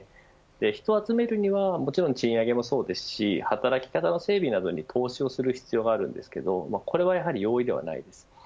人を集めるにはもちろん賃上げもそうですし働き方の整備などに投資する必要があるんですけどこれはやはり容易ではないです。